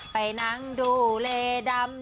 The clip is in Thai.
ไปนางดูเหรดำ